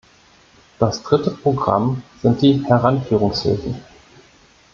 Das dritte Programm sind die Heranführungshilfen.